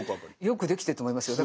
よくできてると思いますよ。